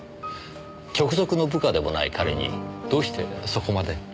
直属の部下でもない彼にどうしてそこまで？